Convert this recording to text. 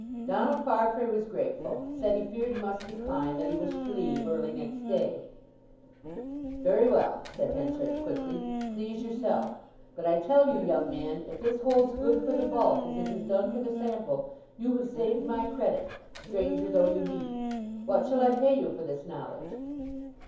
Donald Farfrae was grateful—said he feared he must decline—that he wished to leave early next day. "Very well," said Henchard quickly, "please yourself. But I tell you, young man, if this holds good for the bulk, as it has done for the sample, you have saved my credit, stranger though you be. What shall I pay you for this knowledge?"